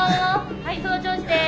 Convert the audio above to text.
はいその調子です。